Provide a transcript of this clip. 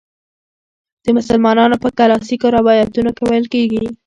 د مسلمانانو په کلاسیکو روایتونو کې ویل کیږي.